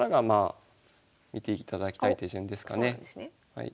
はい。